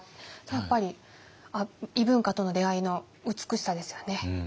やっぱり異文化との出会いの美しさですよね。